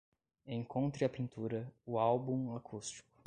Encontre a pintura O álbum acústico